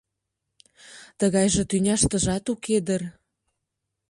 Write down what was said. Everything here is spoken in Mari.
Тыгайже тӱняштыжат уке дыр.